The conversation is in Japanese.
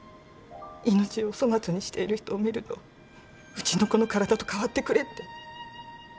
命を粗末にしている人を見るとうちの子の体とかわってくれって。